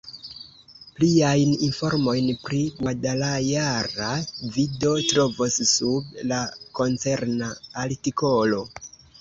Pliajn informojn pri Guadalajara vi do trovos sub la koncerna artikolo.